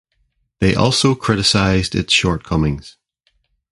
They also criticised its shortcomings.